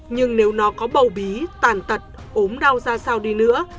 nhưng nếu nó có bầu bí tàn tật ốm đau ra sao đi nữa